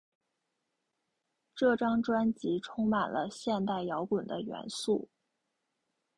这张专辑充满了现代摇滚的元素。